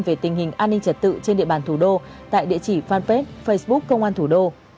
về tình hình an ninh trật tự trên địa bàn thủ đô tại địa chỉ fanpage facebook công an thủ đô